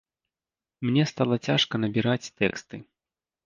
Мне стала цяжка набіраць тэксты.